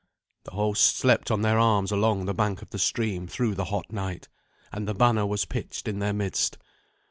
The host slept on their arms along the bank of the stream through the hot night, and the banner was pitched in their midst.